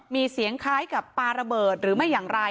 มีเสียงคล้ายกับปลาระเบิดหรือไม่อย่างไร